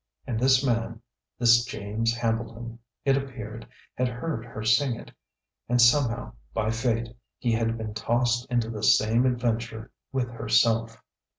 And this man, this James Hambleton, it appeared, had heard her sing it; and somehow, by fate, he had been tossed into the same adventure with herself.